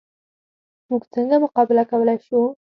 موږ څنګه مقابله کولی شو؟